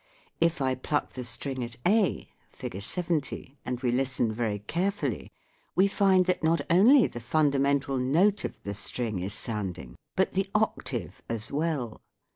If I pluck the string at A (Fig. 70) and we listen very carefully, we find that not only the fundamental note of the string is sounding, but the octave as well.